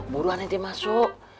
buruan inti masuk